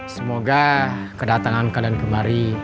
semoga kedatangan kalian kemari